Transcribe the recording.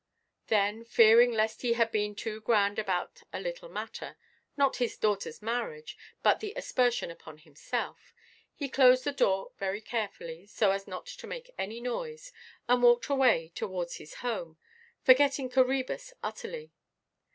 Then, fearing lest he had been too grand about a little matter—not his daughterʼs marriage, but the aspersion upon himself—he closed the door very carefully, so as not to make any noise, and walked away towards his home, forgetting Coræbus utterly.